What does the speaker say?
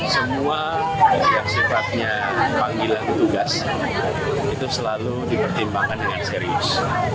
semua yang sifatnya panggilan tugas itu selalu dipertimbangkan dengan serius